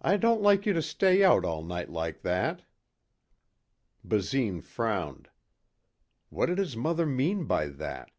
"I don't like you to stay out all night like that." Basine frowned. What did his mother mean by that?